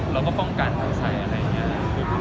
เราก็ป้องกันใครใส่อะไรมัน